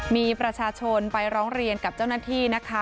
มีประชาชนไปร้องเรียนกับเจ้าหน้าที่นะคะ